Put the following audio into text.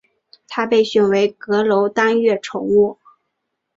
他被选为阁楼当月宠物。